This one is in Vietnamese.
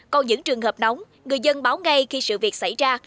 còn những trường hợp nóng người dân báo ngay khi sự việc xảy ra